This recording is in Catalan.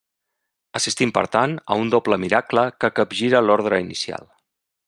Assistim, per tant, a un doble miracle que capgira l'ordre inicial.